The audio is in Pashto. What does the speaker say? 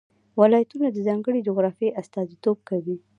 ولایتونه د ځانګړې جغرافیې استازیتوب کوي.